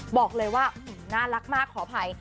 บอกเลยว่าน่ารักมากขออภัย